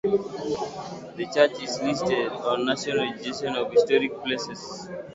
The church is listed on National Register of Historic Places.